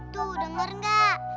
tuh denger gak